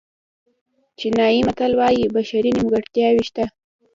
چینایي متل وایي بشري نیمګړتیاوې شته.